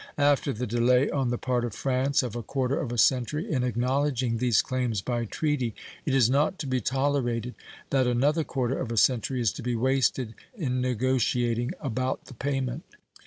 After the delay on the part of France of a quarter of a century in acknowledging these claims by treaty, it is not to be tolerated that another quarter of a century is to be wasted in negotiating about the payment.